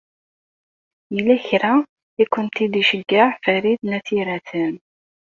Yella kra i akent-id-iceyyeɛ Farid n At Yiraten.